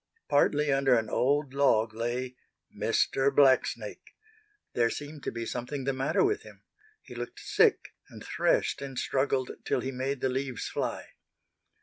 Partly under an old log lay Mr. Blacksnake. There seemed to be something the matter with him. He looked sick, and threshed and struggled till he made the leaves fly.